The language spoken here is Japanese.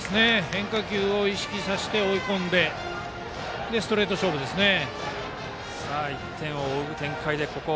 変化球を意識させて追い込んでそれでストレート勝負ですね。